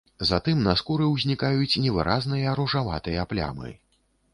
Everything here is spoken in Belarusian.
Затым на скуры ўзнікаюць невыразныя ружаватыя плямы.